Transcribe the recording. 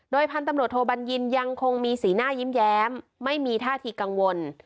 พันธุ์ตำรวจโทบัญญินยังคงมีสีหน้ายิ้มแย้มไม่มีท่าทีกังวล